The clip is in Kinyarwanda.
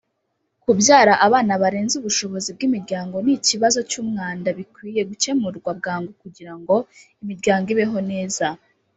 kubyara abana barenze ubushobozi bw’ imiryango n’ ikibazo cy’ umwanda bikwiye gukemurwa bwangu kugira ngo imiryango ibeho neza